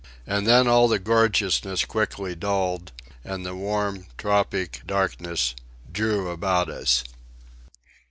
And then all the gorgeousness quickly dulled, and the warm, tropic darkness drew about us.